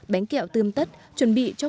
bánh kẹo tươm tất chuẩn bị cho